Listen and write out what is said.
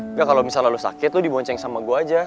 enggak kalau misalnya lu sakit lu dibonceng sama gue aja